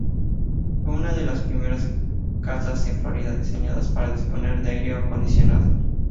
Fue una de las primeras casas en Florida diseñadas para disponer de aire acondicionado.